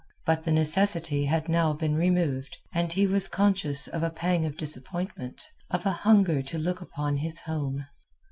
But the necessity had now been removed, and he was conscious of a pang of disappointment, of a hunger to look again upon his home.